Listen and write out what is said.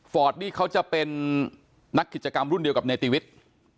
นี่เขาจะเป็นนักกิจกรรมรุ่นเดียวกับในติวิทย์